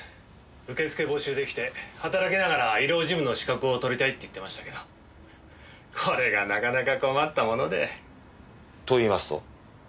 受付募集で来て働きながら医療事務の資格を取りたいって言ってましたけどこれがなかなか困ったもので。と言いますと？